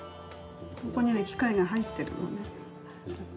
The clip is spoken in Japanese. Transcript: ここに機械が入ってるのね。